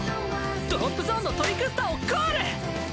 ドロップゾーンのトリクスタをコール！